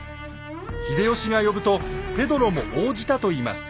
秀吉が呼ぶとペドロも応じたといいます。